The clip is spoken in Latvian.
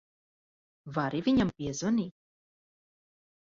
Vari viņam piezvanīt?